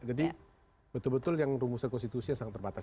jadi betul betul yang rumusan konstitusi sangat terbatas